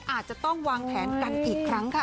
อาจจะต้องวางแผนกันอีกครั้งค่ะ